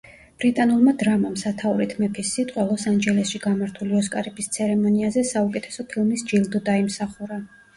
ბრიტანულმა დრამამ სათაურით „მეფის სიტყვა“ ლოს-ანჯელესში გამართული ოსკარების ცერემონიაზე საუკეთესო ფილმის ჯილდო დაიმსახურა.